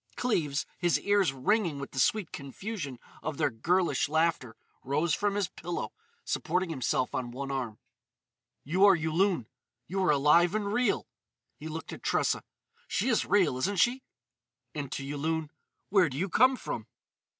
'" Cleves, his ears ringing with the sweet confusion of their girlish laughter, rose from his pillow, supporting himself on one arm. "You are Yulun. You are alive and real——" He looked at Tressa: "She is real, isn't she?" And, to Yulun: "Where do you come from?"